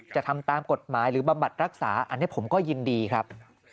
จะทำตามกฎหมายหรือบำบัดรักษาอันนี้ผมก็ยินดีครับ